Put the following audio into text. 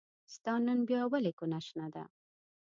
ستا نن بيا ولې کونه شنه ده